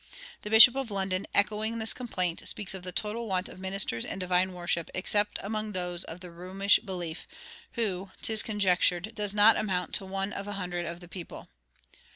The Bishop of London, echoing this complaint, speaks of the "total want of ministers and divine worship, except among those of the Romish belief, who, 'tis conjectured, does not amount to one of a hundred of the people."